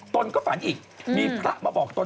ตนก็ฝันอีกมีพระมาบอกตน